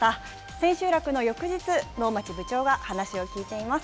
千秋楽の翌日能町部長が話を聞いています。